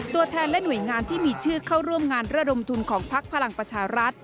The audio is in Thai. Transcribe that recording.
ตัวแทนและหน่วยงานที่มีชื่อเข้าร่วมงานระดมทุนของพักพลังประชารัฐ